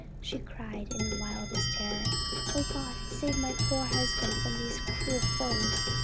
she cried in the wildest terror. "O God save my poor husband from these cruel foes!"